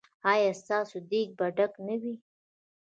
ایا ستاسو دیګ به ډک نه وي؟